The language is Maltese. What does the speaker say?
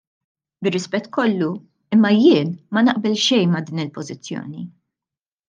Bir-rispett kollu, imma jien ma naqbel xejn ma' din il-pożizzjoni.